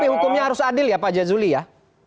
tapi hukumnya harus adil ya pak jazuli ya